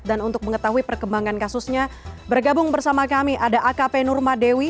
dan untuk mengetahui perkembangan kasusnya bergabung bersama kami ada akp nurma dewi